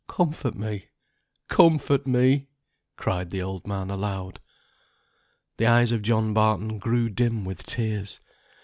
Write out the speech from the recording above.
comfort me, comfort me!" cried the old man aloud. The eyes of John Barton grew dim with tears.